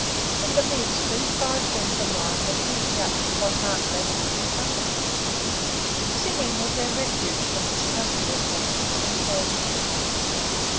In the midst, these five friends of mine were keeping up what heart they could in company. Singing was their refuge from discomfortable thoughts and sensations.